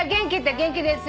「元気ですよ